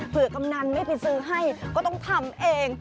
เพื่อกำนันไม่ไปซื้อให้ก็ต้องทำเอง